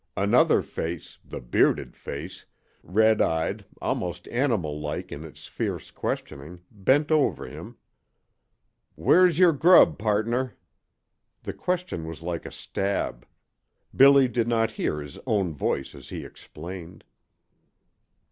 Another face the bearded face red eyed, almost animal like in its fierce questioning, bent over him. "Where's your grub, pardner?" The question was like a stab. Billy did not hear his own voice as he explained.